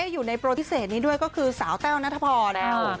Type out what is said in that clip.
อยู่ในโปรพิเศษนี้ด้วยก็คือสาวแต้วนัทพรนะครับ